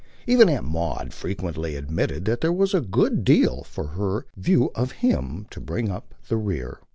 Even Aunt Maud frequently admitted that there was a good deal, for her view of him, to bring up the rear.